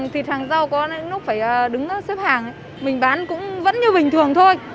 thịt hàng rau có lúc phải đứng xếp hàng mình bán cũng vẫn như bình thường thôi